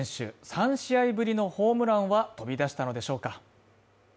３試合ぶりのホームランは飛び出したのでしょうか